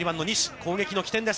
攻撃の起点です。